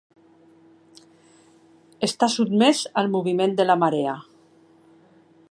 Està sotmès al moviment de la marea.